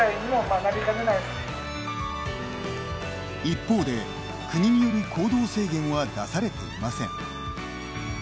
一方で国による行動制限は出されていません。